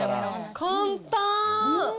簡単。